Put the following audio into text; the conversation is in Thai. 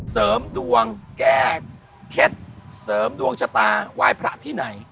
เสริมดวงแก้เคล็ดเสริมดวงชะตาไหว้พระที่ไหน